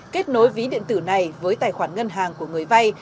kết nối ví điện tử này với tài khoản ngân hàng của người vay